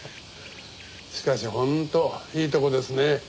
しかし本当いいとこですね。